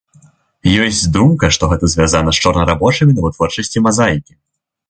Ёсць думка, што гэта звязана з чорнарабочымі на вытворчасці мазаікі.